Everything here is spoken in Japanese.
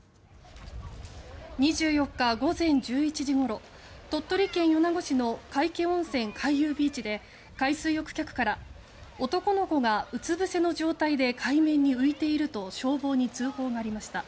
２４日午前１１時ごろ鳥取県米子市の皆生温泉海遊ビーチで海水浴客から男の子がうつ伏せの状態で海面に浮いていると消防に通報がありました。